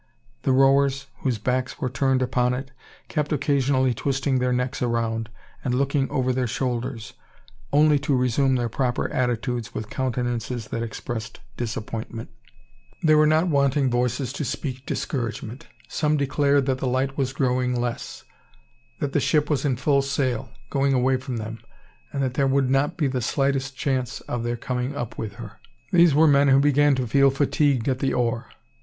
The rowers, whose backs were turned upon it, kept occasionally twisting their necks around, and looking over their shoulders, only to resume their proper attitudes with countenances that expressed disappointment. There were not wanting voices to speak discouragement. Some declared that the light was growing less; that the ship was in full sail, going away from them; and that there would not be the slightest chance of their coming up with her. These were men who began to feel fatigued at the oar.